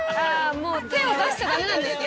もう手を出しちゃだめなんですね。